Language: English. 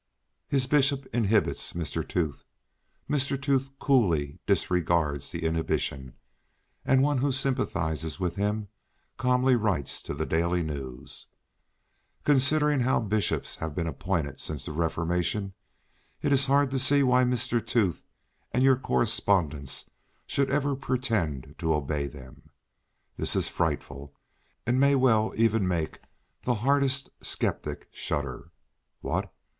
His bishop inhibits Mr. Tooth, Mr. Tooth coolly disregards the inhibition, and one who sympathises with him calmly writes to the Daily News? "Considering how bishops have been appointed since the Reformation, it is hard to see why Mr. Tooth and your correspondents should even pretend to obey them." This is frightful, and may well make even the hardened sceptic shudder. What!